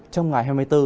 trong ngày hai mươi bốn